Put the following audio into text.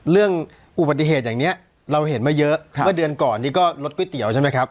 เรื่องอุบัติเหตุอย่างนี้เราเห็นมาเยอะเมื่อเดือนก่อนนี่ก็รถก๋วยเตี๋ยวใช่ไหมครับ